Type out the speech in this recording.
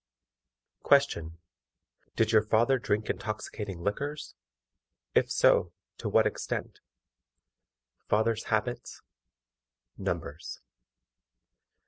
Question. DID YOUR FATHER DRINK INTOXICATING LIQUORS? IF SO, TO WHAT EXTENT? Fathers' habits. Numbers.